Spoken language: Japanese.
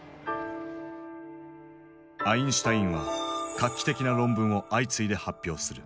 アインシュタインは画期的な論文を相次いで発表する。